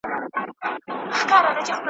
بې گناه مي په ناحقه تور نيولي !.